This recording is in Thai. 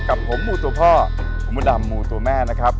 กับผมมูตัวพ่อคุณมดดำหมู่ตัวแม่นะครับ